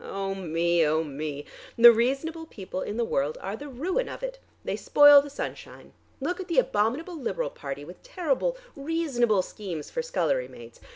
Oh me, oh me! The reasonable people in the world are the ruin of it; they spoil the sunshine. Look at the abominable Liberal party with terrible, reasonable schemes for scullery maids.